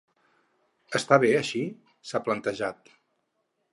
Està bé així?, s’ha plantejat.